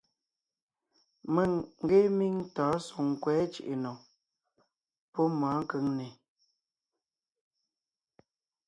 Mèŋ ngee míŋ tɔ̌ɔn Soŋkwɛ̌ Cʉ̀ʼʉnò pɔ́ mɔ̌ɔn Kʉŋnè.